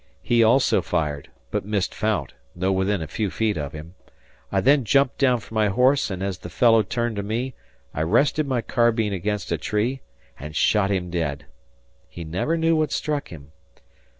He also fired, but missed Fount, though within a few feet of him. I then jumped down from my horse and as the fellow turned to me I rested my carbine against a tree and shot him dead. He never knew what struck him.